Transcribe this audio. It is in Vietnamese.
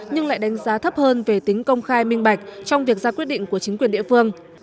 nhưng lại đánh giá thấp hơn về tính công khai minh bạch trong việc ra quyết định của chính quyền địa phương